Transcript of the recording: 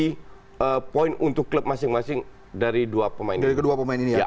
dan poin untuk klub masing masing dari kedua pemain ini